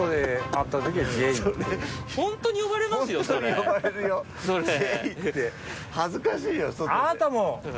ホントに呼ばれるよＪって恥ずかしいよ外で。